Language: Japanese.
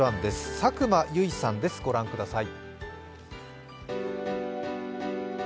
佐久間由衣さんです、御覧ください